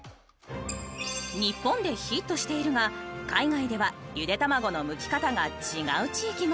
日本でヒットしているが海外ではゆで卵の剥き方が違う地域も